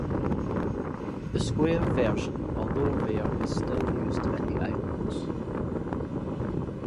The square version although rare is still used in the islands.